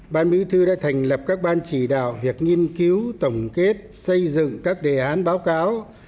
ban bí thư đã thành lập các ban chỉ đạo việc nghiên cứu tổng kết xây dựng các đề án báo cáo